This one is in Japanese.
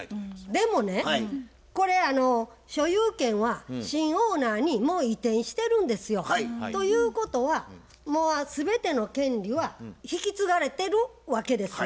でもねこれ所有権は新オーナーにもう移転してるんですよ。ということはもう全ての権利は引き継がれてるわけですや。